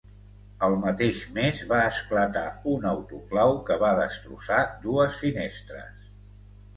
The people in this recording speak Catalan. El mateix mes va esclatar un autoclau que va destrossar dues finestres.